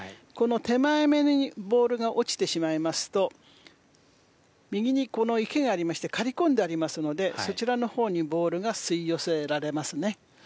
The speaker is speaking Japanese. この手前めにボールが落ちてしまいますと右に池がありまして刈り込んでありますのでそちらの方にボールが吸い寄せられますね。